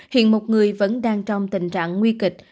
hiện một người vẫn đang trong tình trạng nguy kịch